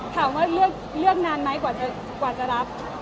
ถามว่าเลือกนานไหมกว่าจะรับ